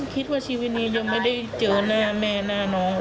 คิดว่าชีวิตนี้ยังไม่ได้เจอหน้าแม่หน้าน้อง